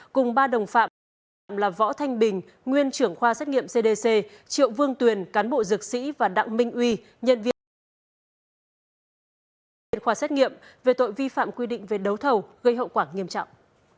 cùng ba đồng phạm đồng phạm là võ thanh bình nguyên trưởng khoa xét nghiệm cdc triệu vương tuyền cán bộ dược sĩ và đặng minh uy nhân viên khoa xét nghiệm về tội vi phạm quy định về đấu thầu gây hậu quả nghiêm trọng